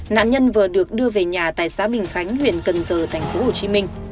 nạn nhân vừa được đưa về nhà tại xã bình khánh huyện cần giờ tp hcm